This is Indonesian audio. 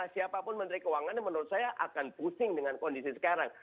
siapapun menteri keuangan menurut saya akan pusing dengan kondisi sekarang